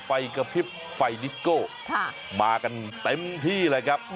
ไฟกระพริบไฟนิสโก้มากันเต็มที่เลยครับ